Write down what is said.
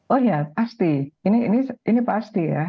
oh iya pasti ini pasti ya